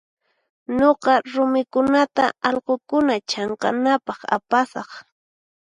Nuqa rumikunata allqukuna chanqanaypaq apasaq.